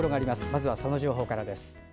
まずは、その情報からです。